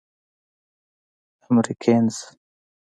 امريکنز.